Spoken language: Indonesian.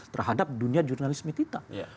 terhadap dunia jurnalisme kita